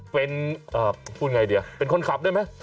เป็นเอ่อพูดไงเดี๋ยวเป็นคนขับได้ไหม